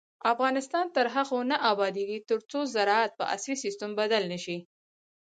افغانستان تر هغو نه ابادیږي، ترڅو زراعت په عصري سیستم بدل نشي.